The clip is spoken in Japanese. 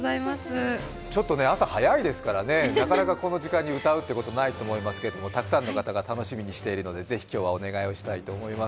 ちょっと朝早いですからね、なかなかこの時間に歌うってことはないと思いますけどたくさんの方が楽しみにしているのでぜひ今日はお願いをしたいと思います。